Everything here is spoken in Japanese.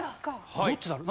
どっちだろう。